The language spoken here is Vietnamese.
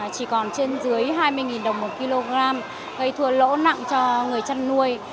chỉ còn trên dưới hai mươi đồng một kg gây thua lỗ nặng cho người chăn nuôi